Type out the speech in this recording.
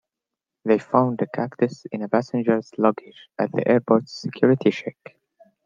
They found a cactus in a passenger's luggage at the airport's security check.